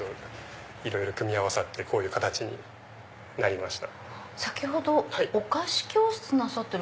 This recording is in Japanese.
いろいろ組み合わさってこういう形になりました。